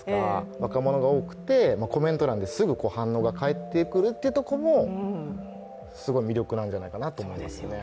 若者が多くて、コメント欄ですぐ反応が返ってくるというところもすごい魅力なんじゃないかなと思いますね。